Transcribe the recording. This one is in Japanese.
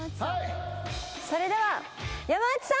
それでは山内さん